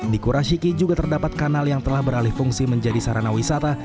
di kurashiki juga terdapat kanal yang telah beralih fungsi menjadi sarana wisata